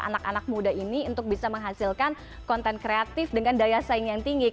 anak anak muda ini untuk bisa menghasilkan konten kreatif dengan daya saing yang tinggi